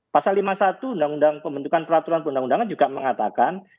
pasal lima puluh satu undang undang pembentukan peraturan perundang undangan juga mengatakan